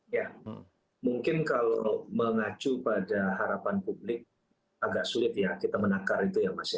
ya mungkin kalau mengacu pada harapan publik agak sulit ya kita menakar itu ya mas ya